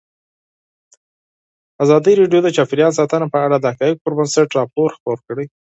ازادي راډیو د چاپیریال ساتنه په اړه د حقایقو پر بنسټ راپور خپور کړی.